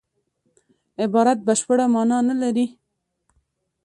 عبارت بشپړه مانا نه لري.